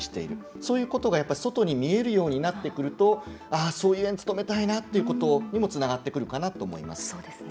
そういうことが、やっぱり外に見えるようになってくるとそういう園に勤めたいなっていうことにもつながってくるかなと思います。